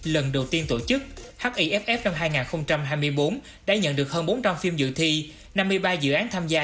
lần đầu tiên tổ chức hiff năm hai nghìn hai mươi bốn đã nhận được hơn bốn trăm linh phim dự thi năm mươi ba dự án tham gia